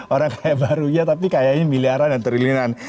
orang kaya baru ya tapi kayanya miliaran dan triliunan